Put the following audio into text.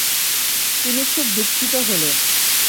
তিনি খুব দুঃখিত হলেন।